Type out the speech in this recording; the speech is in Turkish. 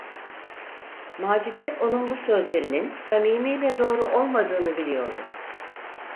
Macide onun bu sözlerinin samimi ve doğru olmadığını biliyordu.